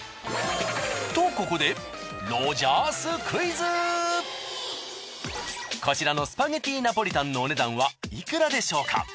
とここでこちらのスパゲティナポリタンのお値段はいくらでしょうか？